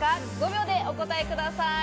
５秒でお答えください。